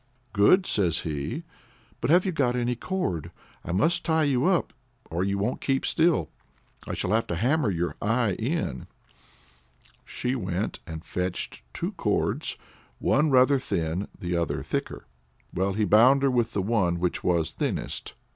"Good," says he; "but have you got any cord? I must tie you up, or you won't keep still. I shall have to hammer your eye in." She went and fetched two cords, one rather thin, the other thicker. Well, he bound her with the one which was thinnest.